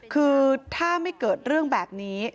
คือถ้าไม่เกิดเรื่องแบบนี้